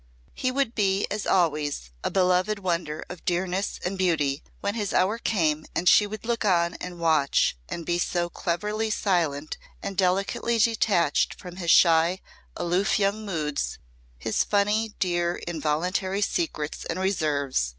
He would be as always, a beloved wonder of dearness and beauty when his hour came and she would look on and watch and be so cleverly silent and delicately detached from his shy, aloof young moods, his funny, dear involuntary secrets and reserves.